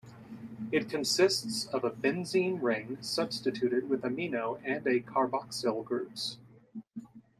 It consists of a benzene ring substituted with amino and a carboxyl groups.